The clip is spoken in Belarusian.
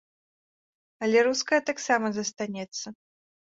Але руская таксама застанецца.